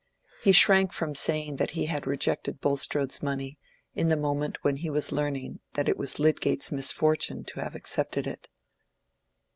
He shrank from saying that he had rejected Bulstrode's money, in the moment when he was learning that it was Lydgate's misfortune to have accepted it.